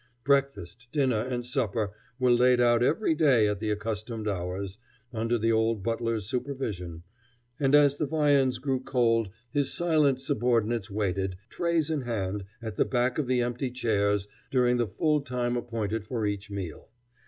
Breakfast, dinner, and supper were laid out every day at the accustomed hours, under the old butler's supervision, and as the viands grew cold his silent subordinates waited, trays in hand, at the back of the empty chairs during the full time appointed for each meal.